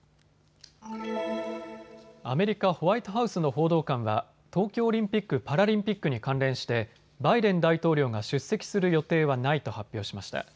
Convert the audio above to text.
アメリカ、ホワイトハウスの報道官は東京オリンピック・パラリンピックに関連してバイデン大統領が出席する予定はないと発表しました。